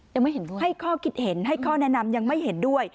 ยังให้ข้อคิดเห็นให้ข้อแนะนำยังไม่เห็นด้วย